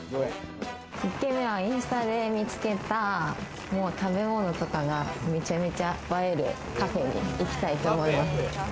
１軒目はインスタで見つけた食べ物とかがめちゃめちゃ映えるカフェに行きたいと思います。